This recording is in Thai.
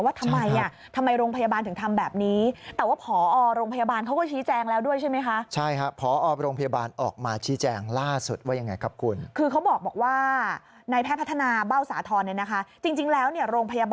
ว่าทำไมทำไมโรงพยาบาลถึงทำแบบนี้